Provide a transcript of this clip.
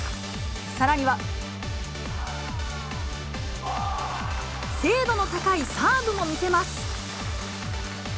さらには、精度の高いサーブも見せます。